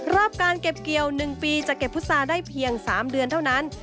รอบการเก็บเกี่ยว๑ปีจะเก็บพุษาได้เพียง๓เดือนเท่านั้น